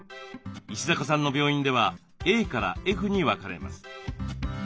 石坂さんの病院ではＡからＦに分かれます。